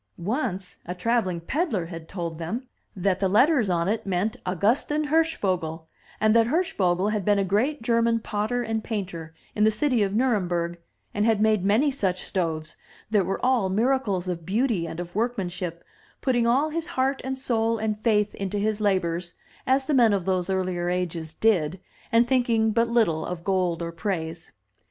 Once a traveling peddler had told them that the letters on 289 MY BOOK HOUSE it meant Augustin Hirschvogel, and that Hirschvogel had been a great German potter and painter, in the city of Nuremberg, and had made many such stoves, that were all miracles of beauty and of workmanship, putting all his heart and soul and faith into his labors, as the men of those earlier ages did, and thinking but little of gold or praise.